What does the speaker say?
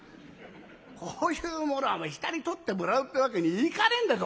こういうものは下に取ってもらうってわけにいかねえんだぞ